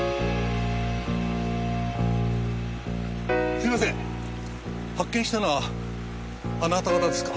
すいません発見したのはあなた方ですか？